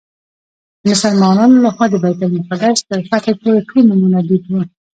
د مسلمانانو له خوا د بیت المقدس تر فتحې پورې ټول نومونه دود وو.